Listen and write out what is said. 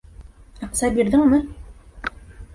Аҡса бирҙеңме?